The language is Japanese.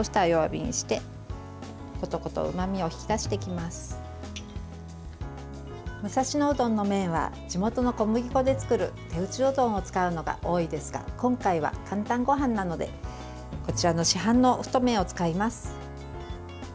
武蔵野うどんの麺は地元の小麦粉で作る手打ちうどんを使うのが多いですが今回は「かんたんごはん」なのでこちらの市販の太麺を使います。